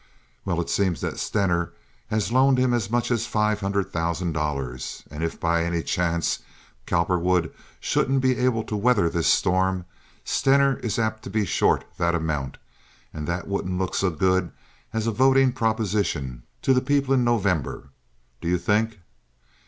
"Well, it seems that Stener has loaned him as much as five hundred thousand dollars, and if by any chance Cowperwood shouldn't be able to weather this storm, Stener is apt to be short that amount, and that wouldn't look so good as a voting proposition to the people in November, do you think?